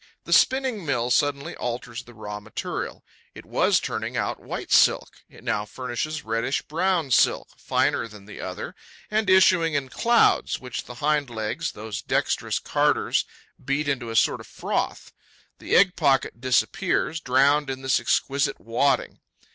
The spinning mill suddenly alters the raw material: it was turning out white silk; it now furnishes reddish brown silk, finer than the other and issuing in clouds which the hind legs, those dexterous carders, beat into a sort of froth. The egg pocket disappears, drowned in this exquisite wadding.